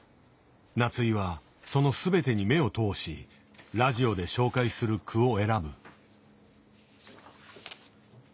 夏井はその全てに目を通しラジオで紹介する句を選ぶ。